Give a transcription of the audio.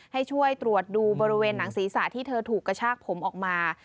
ให้ช่วยตรวจดูบริเวณหนังศีรษะที่เธอถูกกระชากผมออกมา